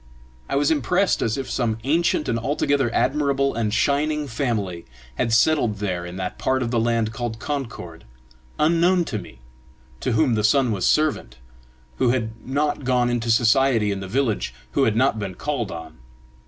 I was impressed as if some ancient and altogether admirable and shining family had settled there in that part of the land called Concord, unknown to me, to whom the sun was servant, who had not gone into society in the village, who had not been called on.